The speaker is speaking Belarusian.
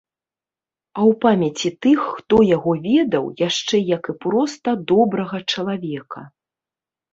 А ў памяці тых, хто яго ведаў, яшчэ як і проста добрага чалавека.